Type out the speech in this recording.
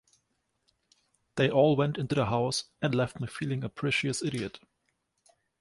They all went into the house, and left me feeling a precious idiot.